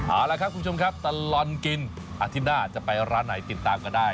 เอาละครับคุณผู้ชมครับตลอดกินอาทิตย์หน้าจะไปร้านไหนติดตามกันได้